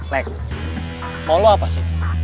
lek mau lu apa sih